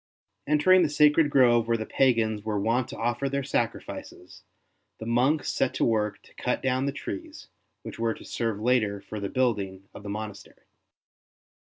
Entering the sacred grove where the pagans were wont to offer their sacrifices, the monks set to work to cut down the trees, which w^ere to serve later for the building of the monastery.